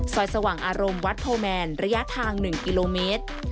สว่างอารมณ์วัดโพแมนระยะทาง๑กิโลเมตร